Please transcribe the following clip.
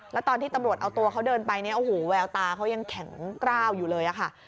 และตอนที่ตำรวจเอาตัวเขาเดินไปแววตาเขายังแข็งกล้าวอยู่เลยค่ะ